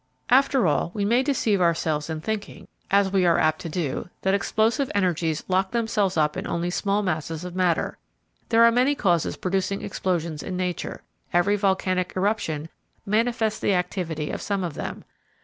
After all, we may deceive ourselves in thinking, as we are apt to do, that explosive energies lock themselves up only in small masses of matter. There are many causes producing explosions in nature, every volcanic eruption manifests the activity of some of them.